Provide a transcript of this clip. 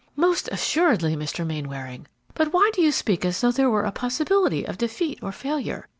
"Most assuredly, Mr. Mainwaring. But why do you speak as though there were a possibility of defeat or failure?